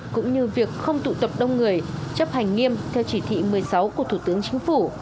cũng như việc không tụ tập đông người chấp hành nghiêm theo chỉ thị một mươi sáu của thủ tướng chính phủ